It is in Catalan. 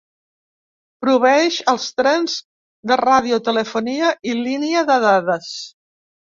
Proveeix als trens de radiotelefonia i línia de dades.